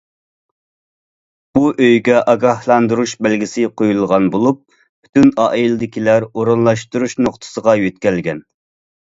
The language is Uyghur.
بۇ ئۆيگە ئاگاھلاندۇرۇش بەلگىسى قويۇلغان بولۇپ، پۈتۈن ئائىلىدىكىلەر ئورۇنلاشتۇرۇش نۇقتىسىغا يۆتكەلگەن.